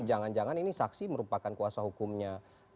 jangan jangan ini saksi merupakan kuasa hukumnya